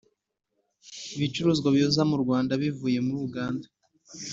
Ibicuruzwa biza mu Rwanda bivuye mu Uganda.